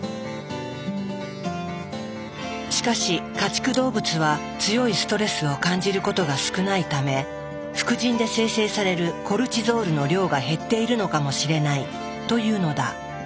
しかし家畜動物は強いストレスを感じることが少ないため副腎で生成されるコルチゾールの量が減っているのかもしれないというのだ。